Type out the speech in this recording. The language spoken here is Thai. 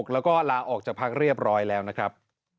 แล้วก็ลาออกจากพักเรียบร้อยแล้วนะครับ